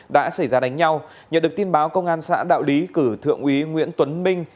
đã xảy ra đánh nhau nhận được tin báo công an xã đạo lý cử thượng úy nguyễn tuấn minh